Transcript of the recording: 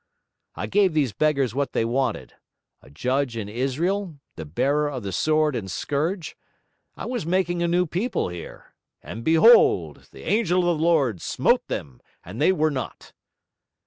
I gave these beggars what they wanted: a judge in Israel, the bearer of the sword and scourge; I was making a new people here; and behold, the angel of the Lord smote them and they were not!'